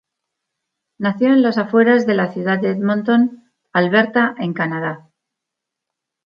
Nació en las afueras de la ciudad de Edmonton, Alberta en Canadá.